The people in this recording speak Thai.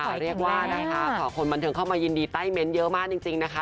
เรียกว่านะคะขอคนบันเทิงเข้ามายินดีใต้เม้นต์เยอะมากจริงนะคะ